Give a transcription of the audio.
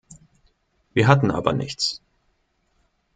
Wir hatten aber nichts.